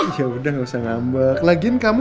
yaudah gak usah ngambak lagian kamu